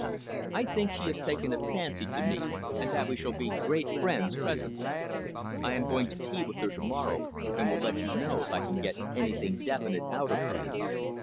I think she has taken a fancy to me, and that we shall be great friends presently. I am going to tea with her to morrow, and will let you know if I can get anything definite out of her.